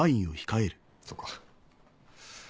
そっか。